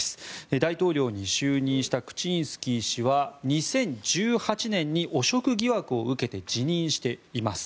大統領に就任したクチンスキー氏は２０１８年に汚職疑惑を受けて辞任しています。